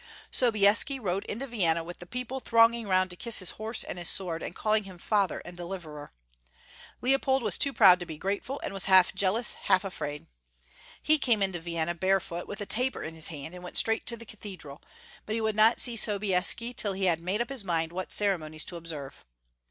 Sobieski rode into Vienna with the people thronging round to kiss his horse and his sword, and calling him father and deliverer. Leopold was too proud to be grateful, and was half jealous, half afraid. He came into Vienna barefoot, with a taper in liis hand, and went straight to the Cathe dral, but he would not see Sobieski till he had made up his mind what ceremonies to observe.